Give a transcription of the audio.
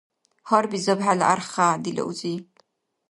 Гьарбизаб хӀела архӀя, дила узи.